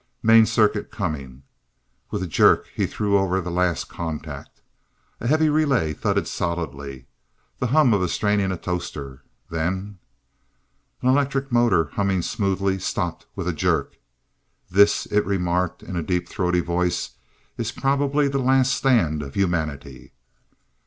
"Main circuit coming." With a jerk he threw over the last contact. A heavy relay thudded solidly. The hum of a straining atostor. Then An electric motor, humming smoothly stopped with a jerk. "This," it remarked in a deep throaty voice, "is probably the last stand of humanity."